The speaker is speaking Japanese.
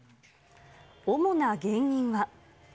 主な原因は。